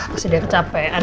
masih dari capean